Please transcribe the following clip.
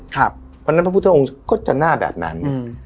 เพราะฉะนั้นพระพุทธองค์ก็จะหน้าแบบนั้น